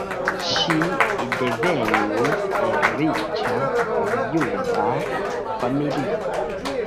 Ŝi devenis el riĉa juda familio.